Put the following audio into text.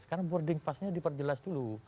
karena boarding pass nya diperjelas dulu